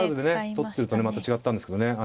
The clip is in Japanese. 取ってるとねまた違ったんですけどね